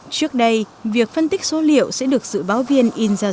trước đây việc phân tích số liệu sẽ được sự báo viên